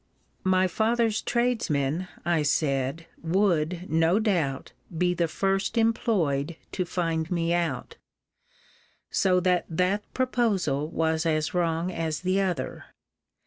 My father's tradesmen, I said, would, no doubt, be the first employed to find me out. So that that proposal was as wrong as the other.